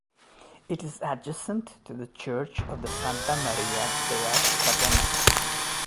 It is adjacent to the church of the Santa Maria della Catena.